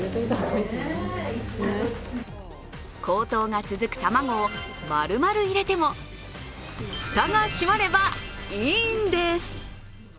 高騰が続く卵をまるまる入れても蓋が閉まればいいんです。